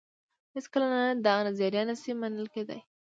هېڅکله نه دا نظریه نه شي منل کېدای.